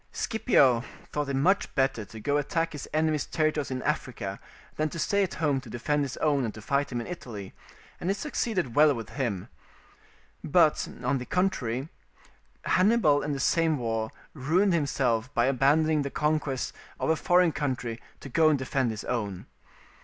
Scipio thought it much better to go and attack his enemy's territories in Africa than to stay at home to defend his own and to fight him in Italy, and it succeeded well with him. But, on the contrary, Hannibal in the same war ruined himself by abandoning the conquest of a foreign country to go and defend his own.